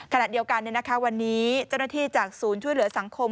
ขณะเดียวกันวันนี้เจ้าหน้าที่จากศูนย์ช่วยเหลือสังคม